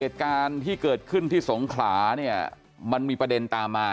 เหตุการณ์ที่เกิดขึ้นที่สงขลาเนี่ยมันมีประเด็นตามมา